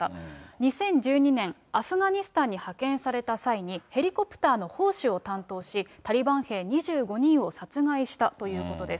２０１２年、アフガニスタンに派遣された際に、ヘリコプターの砲手を担当し、タリバン兵２５人を殺害したということです。